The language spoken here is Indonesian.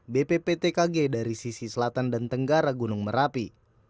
bpptkg dari sisi selatan dan tenggara gunung merapi